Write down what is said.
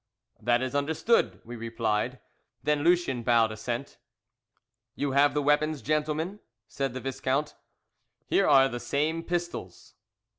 "That is understood," we replied. Then Lucien bowed assent. "You have the weapons, gentlemen?" said the Viscount. "Here are the same pistols."